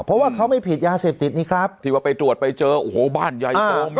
เพราะว่าเขาไม่ผิดยาเสพติดนี่ครับที่ว่าไปตรวจไปเจอโอ้โหบ้านใหญ่โตมา